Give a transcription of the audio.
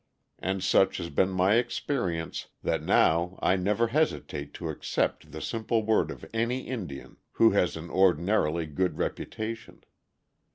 And such has been my experience that now I never hesitate to accept the simple word of any Indian who has an ordinarily good reputation.